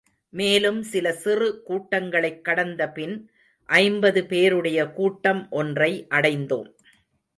மேலும் சில சிறு கூட்டங்களைக் கடந்த பின், ஐம்பது பேருடைய கூட்டம் ஒன்றை அடைந்தோம்.